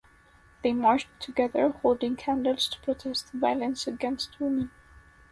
They marched together holding candles to protest violence against women.